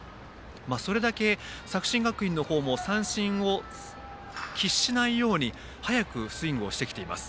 それだけ作新学院の方も三振を喫しないように早くスイングをしてきています。